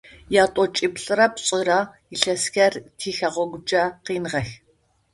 Ятӏокӏиплӏырэ пшӏырэ илъэсхэр тихэгъэгукӏэ къиныгъэх.